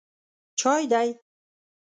_چای دی؟